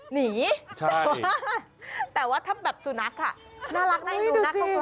หนีแต่ว่าแต่ว่าท่าแบบสุนัขน่ะน่ารักนะดูนะเข้าใกล้